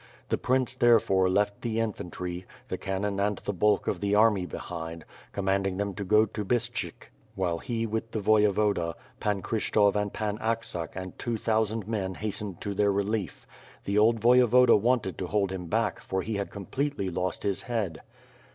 The prince therefore left the infantry, the cannon and the bulk of the army behind; comanding them to go to Bystshyk while he with the Voyevoda, Pan Kryshtof and Pan Aksak and two thousand men hastened to their relief. The old Voyevoda wanted to hold him back, for he had completely lost his head.